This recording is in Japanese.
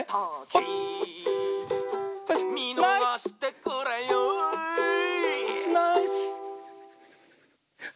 「みのがしてくれよぉ」